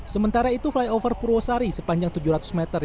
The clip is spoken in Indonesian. sementara itu flyover purwosari sepanjang tujuh ratus meter